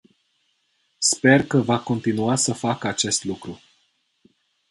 Sper că va continua să facă acest lucru.